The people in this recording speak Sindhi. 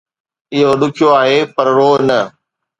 اهو ڏکيو آهي، پر روء نه